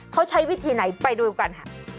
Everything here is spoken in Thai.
เขาใช้วิธีไหนไปดูกันค่ะ